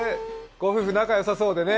ご夫婦仲よさそうでね。